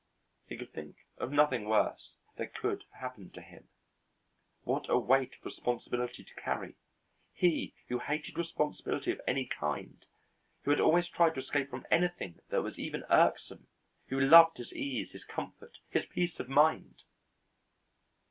He could think of nothing worse that could have happened to him. What a weight of responsibility to carry he who hated responsibility of any kind, who had always tried to escape from anything that was even irksome, who loved his ease, his comfort, his peace of mind!